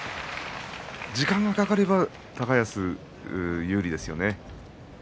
時間がかかれば高安有利ですよね。